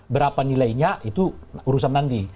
berapa nilainya itu urusan nanti